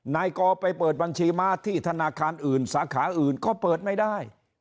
นายกอไปเปิดบัญชีม้าที่ธนาคารอื่นสาขาอื่นก็เปิดไม่ได้